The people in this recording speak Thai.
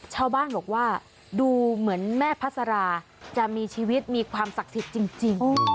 ชาวบ้านบอกว่าดูเหมือนแม่พัสราจะมีชีวิตมีความศักดิ์สิทธิ์จริง